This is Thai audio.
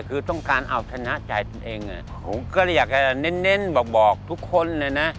คือต้องการเอาชนะใจตัวเองผมก็เลยอยากจะเน้นบอกทุกคนเลยนะ